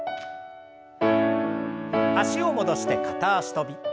脚を戻して片脚跳び。